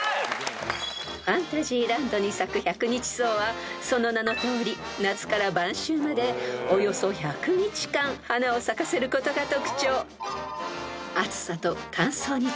［ファンタジーランドに咲くヒャクニチソウはその名のとおり夏から晩秋までおよそ１００日間花を咲かせることが特徴］